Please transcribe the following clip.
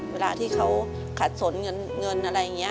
เวลาที่เขาขัดสนเงินอะไรอย่างนี้